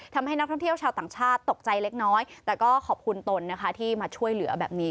ทำให้นักท่องเที่ยวชาวต่างชาติตกใจเล็กน้อยแต่ก็ขอบคุณตนนะคะที่มาช่วยเหลือแบบนี้